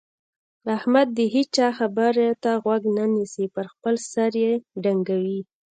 احمد د هيچا خبرې ته غوږ نه نيسي؛ پر خپل سر يې ډنګوي.